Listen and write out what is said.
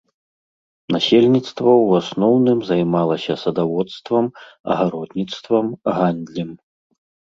Насельніцтва ў асноўным займалася садаводствам, агародніцтвам, гандлем.